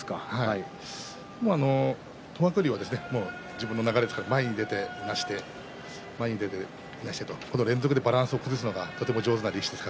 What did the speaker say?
東白龍は自分の流れで前に出ていなしてという連続でバランスを崩すのが上手な力士です。